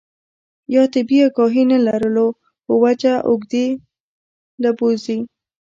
يا طبي اګاهي نۀ لرلو پۀ وجه اوږدې له بوځي